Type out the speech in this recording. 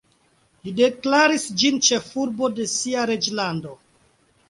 Li deklaris ĝin ĉefurbo de sia reĝlando.